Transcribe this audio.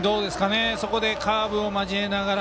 そこでカーブを交えながら。